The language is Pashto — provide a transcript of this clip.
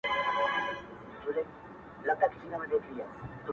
گرول يې خپل غوږونه په لاسونو.!